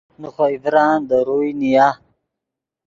نے خوئے ڤران دے روئے نیا